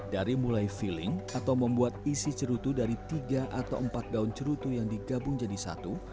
dari mulai feeling atau membuat isi cerutu dari tiga atau empat daun cerutu yang digabung jadi satu